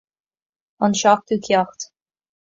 An seachtú ceacht